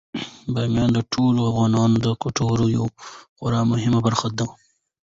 بامیان د ټولو افغانانو د ګټورتیا یوه خورا مهمه برخه ده.